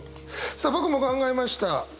さあ僕も考えました。